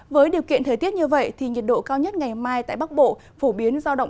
với điều kiện thời tiết như vậy thì nhiệt độ cao nhất ngày mai tại bắc bộ phổ biến giao động